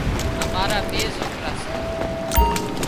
مارا ٻي سوڪرا سي۔